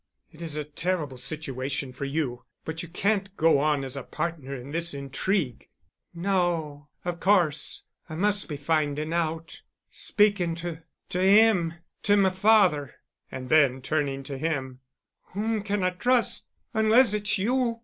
"It is a terrible situation for you—but you can't go on as a partner in this intrigue——" "No, of course—I must be finding out—speaking to—to him—to my father—" and then, turning to him, "Whom can I trust—unless it's you!"